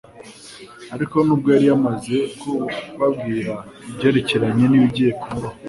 Ariko nubwo yari yamaze kubabwira ibyerekeranye n'ibigiye kumubaho,